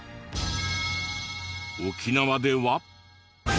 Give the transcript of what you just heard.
沖縄では。